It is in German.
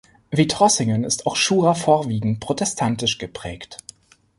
Wie Trossingen ist auch Schura vorwiegend protestantisch geprägt.